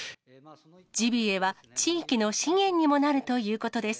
ジビエは地域の資源にもなるということです。